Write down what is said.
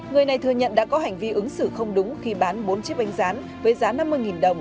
người này thừa nhận đã có hành vi ứng xử không đúng khi bán bốn chiếc bánh rán với giá năm mươi đồng